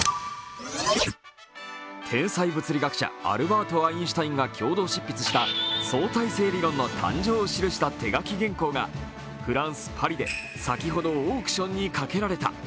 天才物理学者、アルバート・アインシュタインが共同執筆した相対性理論の誕生を記した手書き原稿がフランス・パリで先ほどオークションにかけられた。